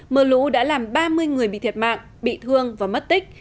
mưa lũ đã làm ba mươi người bị thiệt mạng bị thương và mất tích